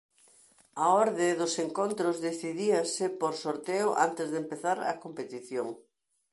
A orde dos encontros decidíase por sorteo antes de empezar a competición.